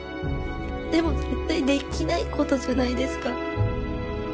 でも絶対できないことじゃないですか。